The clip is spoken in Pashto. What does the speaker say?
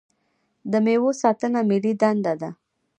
د میوو ساتنه ملي دنده ده.